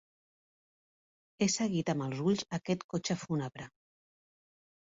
He seguit amb els ulls aquest cotxe fúnebre.